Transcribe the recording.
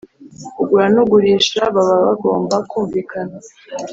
ugura nugurisha baba bagomba kumvikana